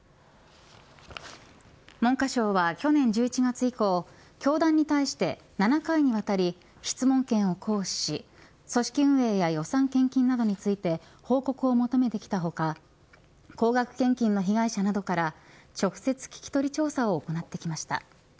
文科省は去年１１月以降教団に対して７回にわたり質問権を行使し組織運営や予算、献金などについて報告を求めてきた他高額献金の被害者などから直接聞き取り調査を行ってきました。